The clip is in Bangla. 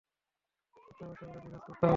ওই কুত্তার বাচ্চাগুলোর দিন আজ খুব খারাপ কাটবে।